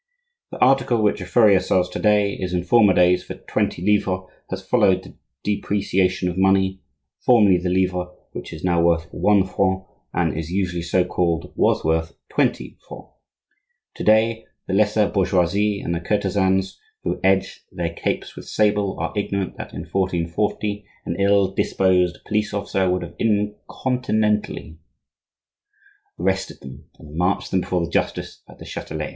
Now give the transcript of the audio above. The article which a furrier sells to day, as in former days, for twenty livres has followed the depreciation of money: formerly the livre, which is now worth one franc and is usually so called, was worth twenty francs. To day, the lesser bourgeoisie and the courtesans who edge their capes with sable, are ignorant than in 1440 an ill disposed police officer would have incontinently arrested them and marched them before the justice at the Chatelet.